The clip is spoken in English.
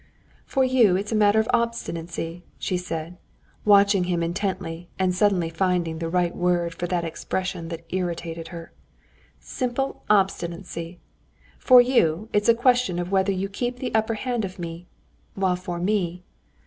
"For you it's a matter of obstinacy," she said, watching him intently and suddenly finding the right word for that expression that irritated her, "simply obstinacy. For you it's a question of whether you keep the upper hand of me, while for me...."